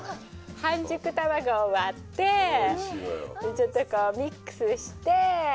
半熟卵を割ってちょっとこうミックスして。